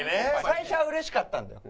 最初はうれしかったんだよ。